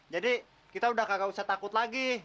jadi kita udah kagak usah takut lagi